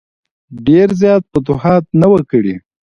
ډېر زیات فتوحات نه وه کړي.